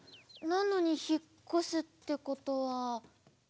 なのにひっこすってことは。